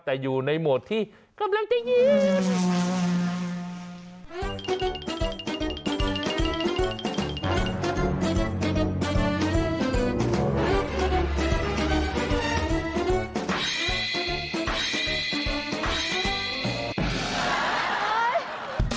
แต่อยู่ในโหมดที่กำลังจะยืน